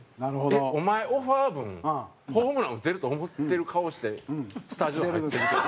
「えっ？お前オファー分ホームラン打てると思ってる顔してスタジオ入ってるけど」。